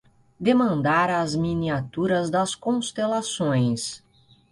Demandara as miniaturas das constelações